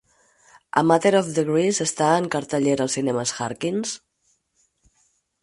"A Matter of Degrees" està en cartellera als cinemes Harkins?